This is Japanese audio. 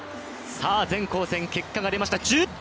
全紅嬋、結果が出ました！